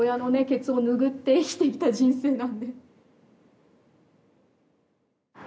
ケツを拭って生きてきた人生なんで。